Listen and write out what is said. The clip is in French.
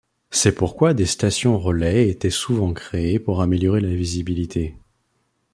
C'est pourquoi des stations relais étaient souvent créées pour améliorer la visibilité.